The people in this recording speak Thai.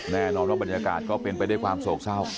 แน่นอนว่าบรรยากาศก็เป็นไปด้วยความโศกเศร้า